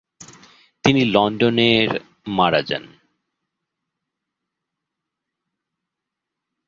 তিনি লন্ডনের মারা যান।